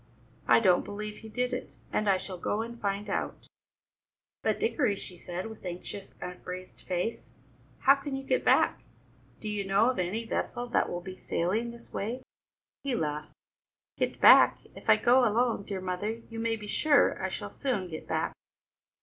I don't believe he did it, and I shall go and find out." "But, Dickory," she said, with anxious, upraised face, "how can you get back? Do you know of any vessel that will be sailing this way?" He laughed. "Get back? If I go alone, dear mother, you may be sure I shall soon get back.